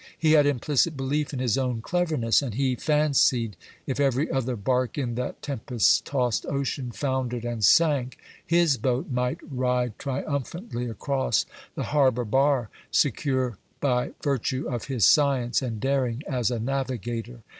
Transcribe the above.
He had implicit belief in his own cleverness; and he fancied if every other bark in that tempest tossed ocean foundered and sank, his boat might ride triumphantly across the harbour bar, secure by virtue of his science and daring as a navigator.